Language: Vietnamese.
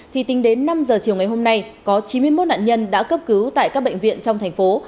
thì tính đến năm giờ chiều ngày hôm nay có chín mươi một nạn nhân đã cấp cứu tại các bệnh viện trong thành phố